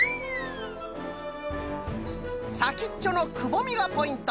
さきっちょのくぼみがポイント！